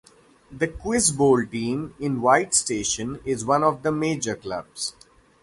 The Quiz Bowl team in White Station is one of the major clubs.